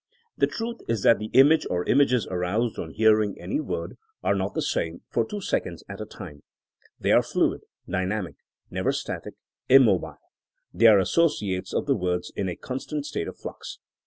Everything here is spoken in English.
The truth is that the image or images aroused on hearing any word are not the same for two seconds at a time. They are fluid, dynamic ; never static, immobile. They are associates of the words in a constant state of flux.